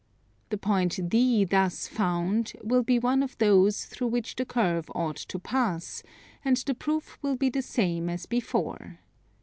The point D thus found will be one of those through which the curve ought to pass; and the proof will be the same as before.